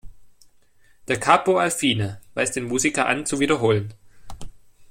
"Da Capo al fine" weist den Musiker an, zu wiederholen.